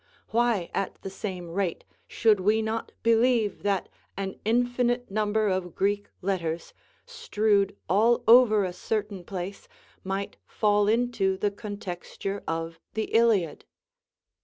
Why at the same rate should we not believe that an infinite number of Greek letters, strewed all over a certain place, might fall into the contexture of the _Iliad?